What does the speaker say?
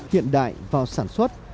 hiện đại vào sản xuất